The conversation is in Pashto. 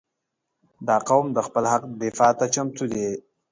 • دا قوم د خپل حق دفاع ته چمتو دی.